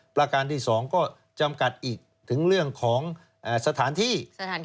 ประการที่๒ก็จำกัดอีกถึงเรื่องของสถานที่